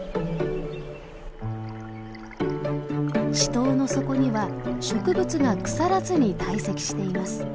池塘の底には植物が腐らずに堆積しています。